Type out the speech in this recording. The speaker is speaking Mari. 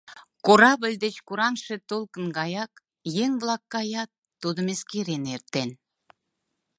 Корабль деч кораҥше толкын гаяк, еҥ-влак каят, тудым эскерен эртен.